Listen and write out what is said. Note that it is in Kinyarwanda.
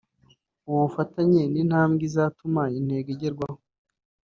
ubu bufatanye ni intambwe izatuma intego igerwaho